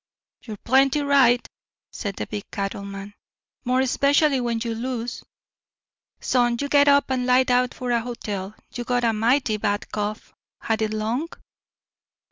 "You're plenty right," said the big cattleman; "more 'specially when you lose. Son, you get up and light out for a hotel. You got a mighty bad cough. Had it long?"